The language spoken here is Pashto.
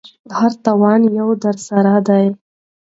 هر تاوان یو درس دی.